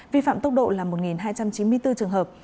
vi phạm tốc độ là một hai trăm chín mươi bốn trường hợp